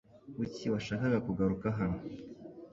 Kuki washakaga kugaruka hano?